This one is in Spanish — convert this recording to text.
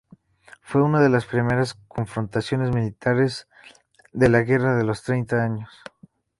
Fue una de las primeras confrontaciones militares de la Guerra de los Treinta Años.